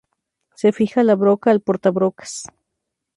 Se fija la broca al porta brocas.